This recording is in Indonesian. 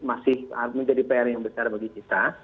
masih menjadi pr yang besar bagi kita